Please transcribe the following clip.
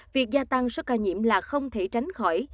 việc gia tăng số ca nhiễm là không thể tránh khỏi